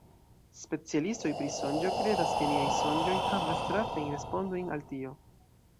Specialistoj pri sonĝo kredas ke niaj sonĝoj havas trafajn respondojn al tio.